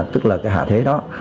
tức là cái hạ thế đó